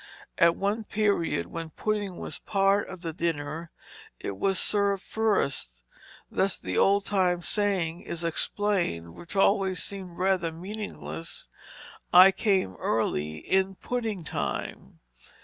At one period, when pudding was part of the dinner, it was served first. Thus an old time saying is explained, which always seemed rather meaningless, "I came early in pudding time."